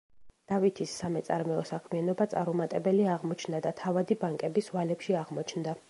დავითის სამეწარმეო საქმიანობა წარუმატებელი აღმოჩნდა და თავადი ბანკების ვალებში აღმოჩნდა.